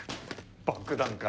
爆弾か。